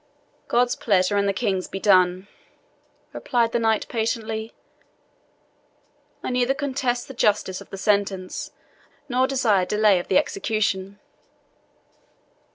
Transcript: "God's pleasure and the King's be done," replied the knight patiently. "I neither contest the justice of the sentence, nor desire delay of the execution."